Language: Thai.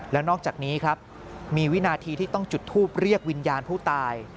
แล้วนอกจากนี้ครับมีวินาทีที่ต้องจุดทูปเรียกวิญญาณผู้ตาย